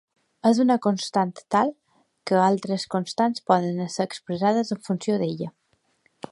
És una constant tal, que altres constants poden ésser expressades en funció d’ella.